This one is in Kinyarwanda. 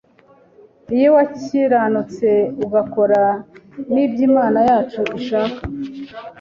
Iyo wakiranutse ugakora n’ibyo Imana yacu ishaka